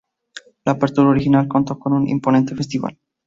La apertura original contó con un imponente festival.